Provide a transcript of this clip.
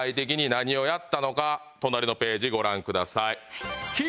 隣のページご覧ください。